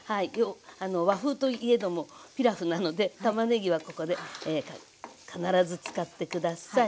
あの和風といえどもピラフなのでたまねぎはここで必ず使って下さい。